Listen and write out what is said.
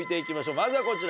まずはこちら。